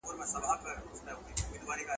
هغه ويل د هغه غره لمن کي